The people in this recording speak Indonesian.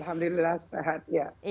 alhamdulillah sehat ya